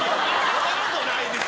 そんなことないですよ。